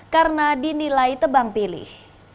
karena dinilai tebang pilih